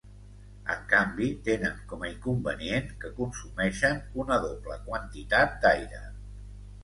En canvi tenen com a inconvenient que consumeixen una doble quantitat d'aire.